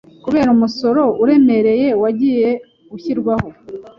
kubera umusoro uremereye wagiye ushyirwaho